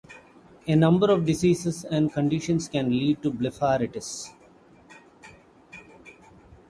A number of diseases and conditions can lead to blepharitis.